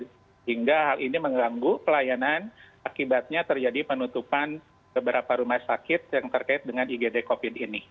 sehingga hal ini mengganggu pelayanan akibatnya terjadi penutupan beberapa rumah sakit yang terkait dengan igd covid ini